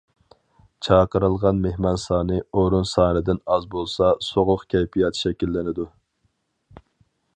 چاقىرىلغان مېھمان سانى ئورۇن سانىدىن ئاز بولسا، سوغۇق كەيپىيات شەكىللىنىدۇ.